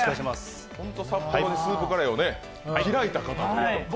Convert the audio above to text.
札幌でスープカレーを開いた方なのよ。